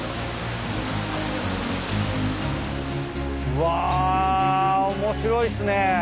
うわ面白いっすね。